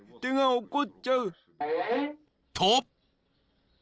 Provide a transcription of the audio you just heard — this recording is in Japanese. ［と］